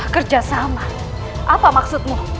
kerja sama apa maksudmu